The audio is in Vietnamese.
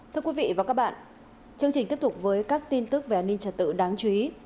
thưa quý vị và các bạn chương trình tiếp tục với các tin tức về an ninh trật tự đáng chú ý